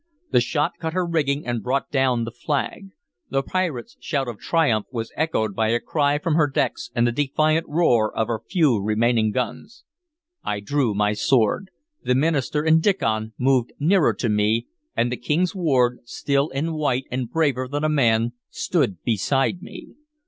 The shot cut her rigging and brought down the flag. The pirates' shout of triumph was echoed by a cry from her decks and the defiant roar of her few remaining guns. I drew my sword. The minister and Diccon moved nearer to me, and the King's ward, still and white and braver than a man, stood beside me.